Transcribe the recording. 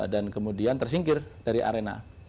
dan kemudian tersingkir dari arena